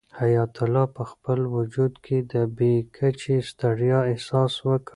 حیات الله په خپل وجود کې د بې کچې ستړیا احساس وکړ.